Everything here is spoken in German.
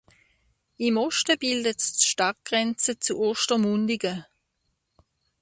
Im Osten bildet es die Stadtgrenze zu Ostermundigen.